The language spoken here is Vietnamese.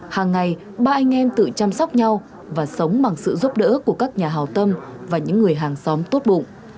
hàng ngày ba anh em tự chăm sóc nhau và sống bằng sự giúp đỡ của các nhà hào tâm và những người hàng xóm tốt bụng